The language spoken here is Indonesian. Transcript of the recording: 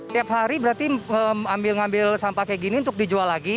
tiap hari berarti ngambil ngambil sampah kayak gini untuk dijual lagi